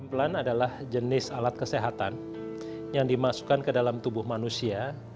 pemplan adalah jenis alat kesehatan yang dimasukkan ke dalam tubuh manusia